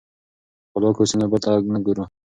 که خپلواک اوسو نو بل ته نه ګورو.